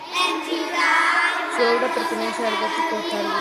Su obra pertenece al gótico tardío.